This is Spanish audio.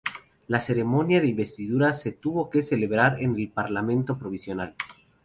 La ceremonia de investidura se tuvo que celebrar en el Parlamento provisional.